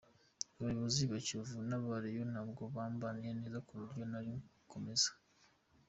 Abayobozi ba Kiyovu n’aba Rayon ntabwo bambaniye neza ku buryo nari gukomeza.